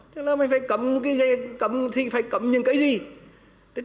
thế là mình phải cấm cái gì cấm thì phải cấm những cái gì